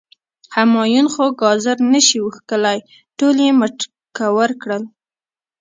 همایون خو ګازر نه شي وښکلی، ټول یی مټکور کړل.